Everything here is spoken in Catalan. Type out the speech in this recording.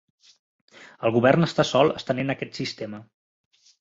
El govern està sol estenent aquest sistema.